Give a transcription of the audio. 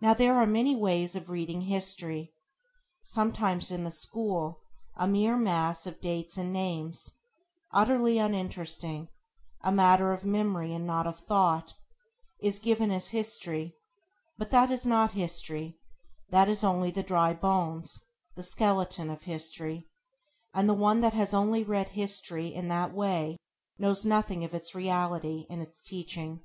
Now there are many ways of reading history. Sometimes in the school a mere mass of dates and names, utterly uninteresting, a matter of memory and not of thought, is given as history; but that is not history; that is only the dry bones, the [Page 2] skeleton, of history; and the one that has only read history in that way knows nothing of its reality and its teaching.